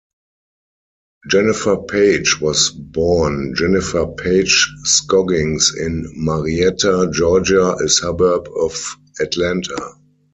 Jennifer Paige was born Jennifer Paige Scoggins in Marietta, Georgia, a suburb of Atlanta.